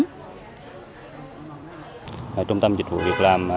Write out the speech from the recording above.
trong trung tâm dịch vụ việc làm